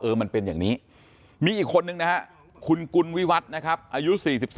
มันเป็นอย่างนี้มีอีกคนนึงนะฮะคุณกุลวิวัตรนะครับอายุ๔๒